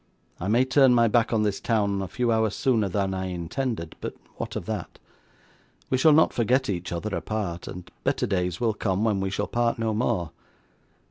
I may turn my back on this town a few hours sooner than I intended, but what of that? We shall not forget each other apart, and better days will come when we shall part no more.